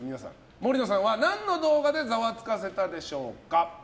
杜野さんは何の動画でざわつかせたでしょうか。